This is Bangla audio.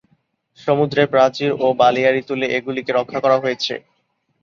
সমুদ্রে প্রাচীর ও বালিয়াড়ি তুলে এগুলিকে রক্ষা করা হয়েছে।